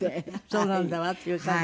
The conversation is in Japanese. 「そうなんだわ」っていう感じで？